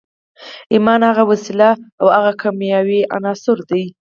ایمان هغه وسیله او هغه کیمیاوي عنصر دی